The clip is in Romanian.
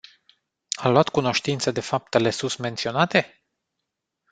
A luat cunoștință de faptele susmenționate?